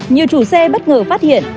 nhiều chủ xe bất ngờ phát hiện